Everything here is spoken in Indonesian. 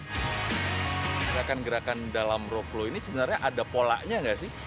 gerakan gerakan dalam rope flow ini sebenarnya ada polanya nggak sih